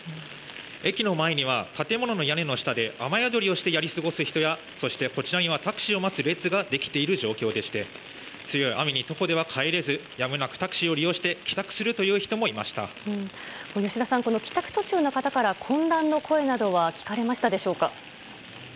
駅の前には建物の屋根の下で雨宿りをしてやり過ごす人や、こちらにはタクシーを待つ列ができている状況でして強い雨に徒歩では帰れずやむなくタクシーを利用して吉田さん帰宅途中の方から混乱の声などは聞かれましたでしょうか？